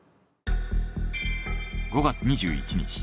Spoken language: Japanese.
５月２１日。